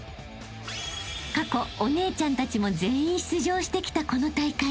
［過去お姉ちゃんたちも全員出場してきたこの大会］